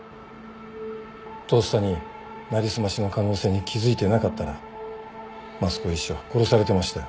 とっさに成り済ましの可能性に気付いてなかったら益子医師は殺されてましたよ。